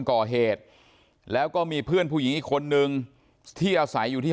ก่อเหตุแล้วก็มีเพื่อนผู้หญิงอีกคนนึงที่อาศัยอยู่ที่